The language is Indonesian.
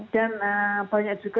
dan banyak juga